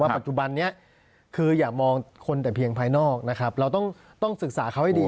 ปัจจุบันนี้คืออย่ามองคนแต่เพียงภายนอกนะครับเราต้องศึกษาเขาให้ดี